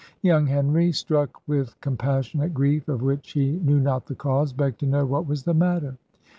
Young Henry, struck with compassion at grief of which he knew not the cause, begged to know "what was the matter?"